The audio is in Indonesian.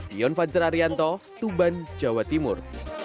dion fajar arianto tuban jawa timur